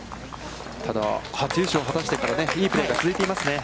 ただ、初優勝を果たしてからいいプレーが続いていますね。